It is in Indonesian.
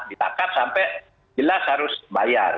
ditangkap sampai jelas harus bayar